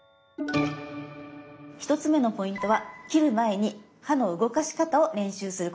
１つ目のポイントは切る前に刃の動かし方を練習すること。